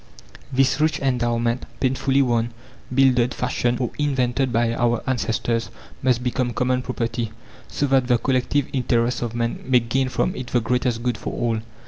This rich endowment, painfully won, builded, fashioned, or invented by our ancestors, must become common property, so that the collective interests of men may gain from it the greatest good for all.